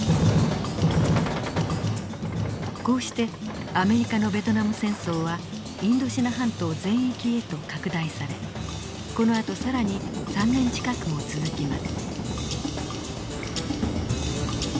こうしてアメリカのベトナム戦争はインドシナ半島全域へと拡大されこのあと更に３年近くも続きます。